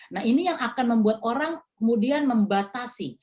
nah ini yang akan membuat orang kemudian membatasi